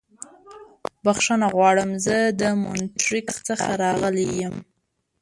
بښنه غواړم. زه د مونټریکس څخه راغلی یم.